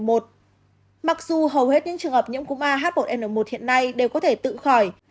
mặc dù hầu hết những trường hợp nhiễm cúm ah một n một hiện nay đều có thể tự khỏi